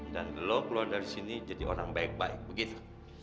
dan lo keluar dari sini jadi orang baik baik begitu